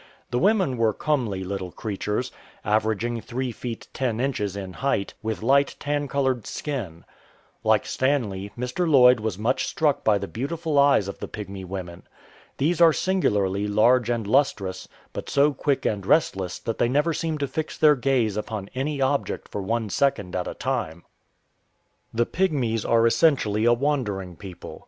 The women were comely little creatures, averaging 3 feet 10 inches in height, with light tan coloured skin. Like Stanley, Mr. Lloyd was much struck by the beautiful eyes of the Pygmy women. These are singularly large and lustrous, but so quick and restless that they never seem to fix their gaze upon any object for one second at a time. The Pygmies are essentially a wandering people.